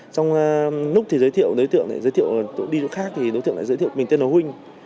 trong lúc thì giới thiệu đối tượng này giới thiệu đi đâu khác thì đối tượng lại giới thiệu mình tên là huynh